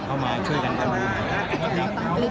เข้ามาช่วยกันกันด้วยนะครับ